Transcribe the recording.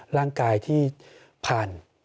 ร่างกายที่ผ่าน